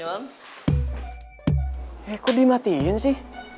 masih marah kali ya semua gue